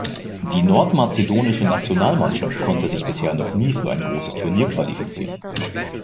Die Nordmazedonische Nationalmannschaft konnte sich bisher noch nie für ein großes Turnier qualifizieren.